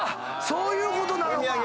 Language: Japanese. そういうことなのか。